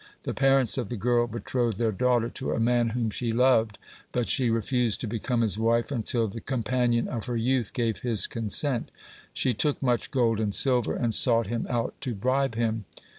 The parents of the girl betrothed their daughter to a man whom she loved, but she refused to become his wife until the companion of her youth gave his consent. She took much gold and silver, and sought him out to bribe him.